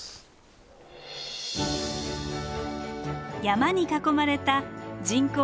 山に囲まれた人口